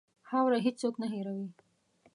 خاوره هېڅ څوک نه هېروي.